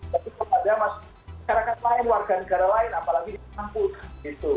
tapi kepada masyarakat lain warga negara lain apalagi di kampus gitu